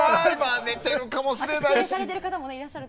寝てるかもしれないし。